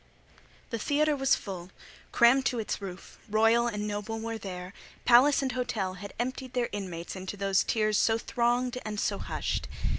The theatre was full—crammed to its roof: royal and noble were there: palace and hotel had emptied their inmates into those tiers so thronged and so hushed.